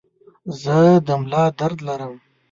زه د ملا درد لرم.